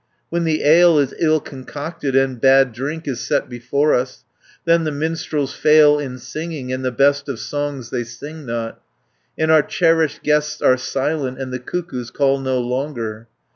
270 When the ale is ill concocted, And bad drink is set before us, Then the minstrels fail in singing, And the best of songs they sing not, And our cherished guests are silent, And the cuckoos call no longer.